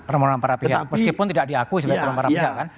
permohonan para pihak meskipun tidak diakui sebagai para pihak kan